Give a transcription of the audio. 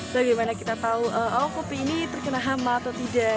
bagaimana kita tahu kopi ini terkena hama atau tidak